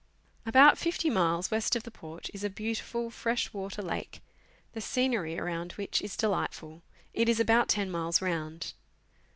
About 50 miles west of the Port is a beautiful fresh water lake, the scenery around which is delightful; it is about ten miles round.